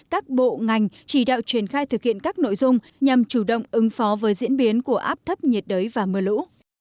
các bộ ngành chỉ đạo triển khai thực hiện các nội dung nhằm chủ động ứng phó với diễn biến của áp thấp nhiệt đới và mưa lũ